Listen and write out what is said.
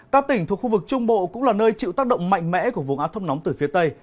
các tỉnh thuộc khu vực trung bộ cũng là nơi chịu tác động mạnh mẽ của vùng áp thấp nóng từ phía tây